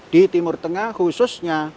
di timur tengah khususnya